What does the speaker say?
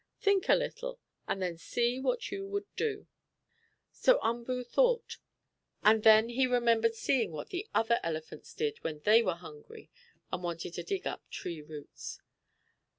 Think a little and then see what you will do." So Umboo thought, and then he remembered seeing what the other elephants did when they were hungry, and wanted to dig up tree roots.